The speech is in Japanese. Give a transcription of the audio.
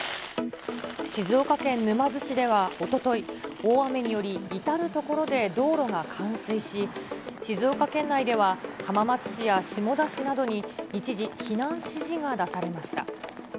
大雨により至る所で道路が冠水し、静岡県内では浜松市や下田市などに一時、避難指示が出されました。